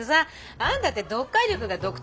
あんたって読解力が独特じゃない？